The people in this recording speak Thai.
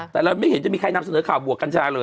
แต่เราไม่เห็นจะมีใครนำเสนอข่าวบวกกัญชาเลย